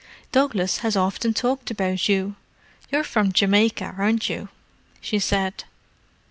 "Douglas has often talked about you—you're from Jamaica, aren't you?" she said.